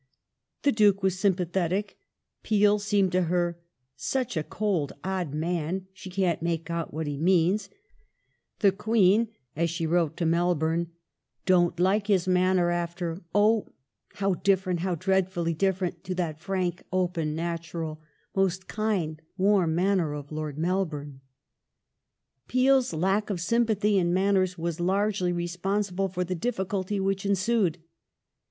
The Duke was sympathetic ; Peel seemed to her such a cold, odd man, she can't make out what he means "." The Queen " (as she wrote to ^C/. Q.V.L.i. ig^ seq. 1841] THE BEDCHAMBER QUESTION 139 Melbourne) " don't like his manner after — Oh ! how different, how dreadfully different to that frank, open, natural, most kind, warm manner of Lord Mel bourne. '' Peel '? lack of sympathy and manners was largely responsible for the difficulty which ensued.